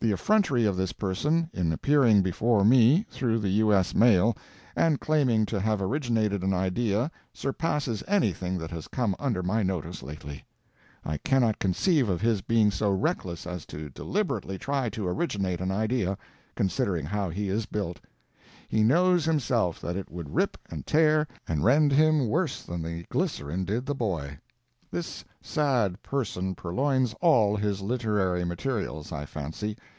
The effrontery of this person in appearing before me, through the U.S. mail, and claiming to have originated an idea, surpasses anything that has come under my notice lately. I cannot conceive of his being so reckless as to deliberately try to originate an idea—considering how he is built. He knows himself that it would rip, and tear, and rend him worse than the glycerine did the boy. This sad person purloins all his literary materials, I fancy.